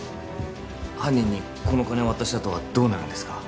犯人にこの金を渡したあとはどうなるんですか？